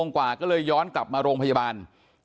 กว่าก็เลยย้อนกลับมาโรงพยาบาล